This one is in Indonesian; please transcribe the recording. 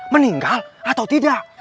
meninggal atau tidak